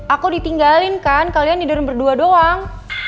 aku ditinggalin kan kalian ninderung berdua doang